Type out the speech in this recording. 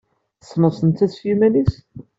Tessneḍ-t netta s yiman-is?